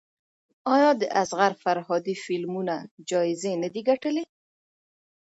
آیا د اصغر فرهادي فلمونه جایزې نه دي ګټلي؟